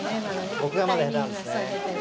僕がまだ下手なんですね。